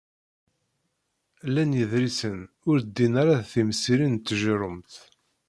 Llan yeḍrisen ur ddin ara d temsirin n tjerrumt.